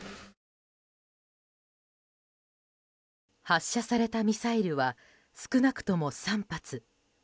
発射されたミサイルは少なくとも３発。